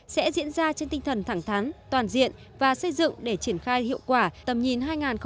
sẽ diễn ra trên tinh thần thẳng thắn toàn diện và xây dựng để triển khai hiệu quả tầm nhìn hai nghìn hai mươi năm